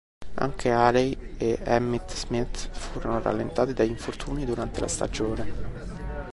Anche Haley e Emmitt Smith furono rallentati dagli infortuni durante la stagione.